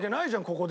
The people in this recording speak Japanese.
ここで。